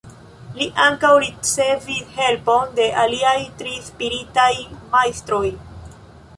Li ankaŭ ricevis helpon de aliaj tri spiritaj majstroj.